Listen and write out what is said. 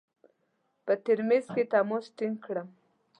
په ترمیز کې تماس ټینګ کړم.